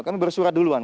kami bersurat duluan